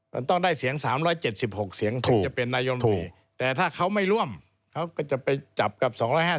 มันต้องได้เสียง๓๗๖เสียงถึงจะเป็นนายมนตรีแต่ถ้าเขาไม่ร่วมเขาก็จะไปจับกับ๒๕๖